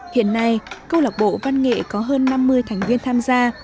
hiện nay câu lạc bộ văn nghệ có hơn năm mươi thành viên tham gia